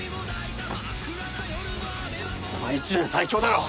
お前１年最強だろ！